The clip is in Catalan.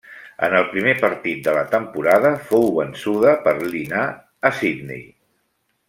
En el primer partit de la temporada fou vençuda per Li Na a Sydney.